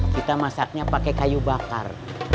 kita masaknya pakai kayu bakar